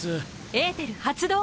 エーテル発動。